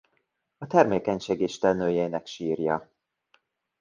A termékenység istennőjének sírja.